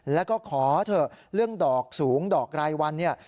แล้วก็ขอเถอะเรื่องดอกสูงดอกรายวันเนี่ย